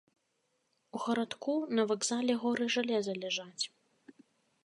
У гарадку на вакзале горы жалеза ляжаць.